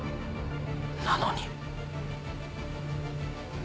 なのに。